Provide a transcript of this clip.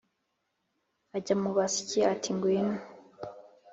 ajya mu basyi, ati ngwino